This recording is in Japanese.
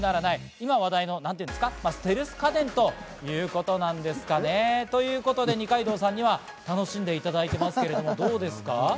今話題のステルス家電ということなんですかね。ということで二階堂さんには楽しんでいただいていますけど、どうですか？